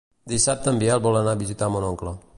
Dissabte en Biel vol anar a visitar mon oncle.